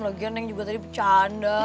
lagian tadi juga neng bercanda